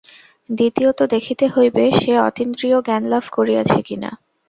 দ্বিতীয়ত দেখিতে হইবে, সে অতীন্দ্রিয় জ্ঞান লাভ করিয়াছে কিনা।